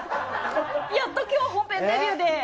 やっと今日、本編デビューで。